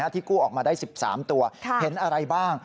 ที่กู้ออกมาได้๑๓ตัวเห็นอะไรบ้าง